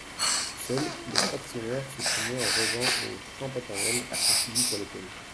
Seul, le factionnaire se promenait en rêvant aux champs paternels, son fusil sur l'épaule.